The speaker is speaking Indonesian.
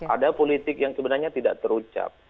ada politik yang sebenarnya tidak terucap